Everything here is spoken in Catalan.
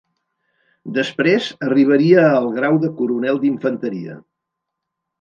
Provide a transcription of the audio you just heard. Després arribaria el grau de coronel d'infanteria.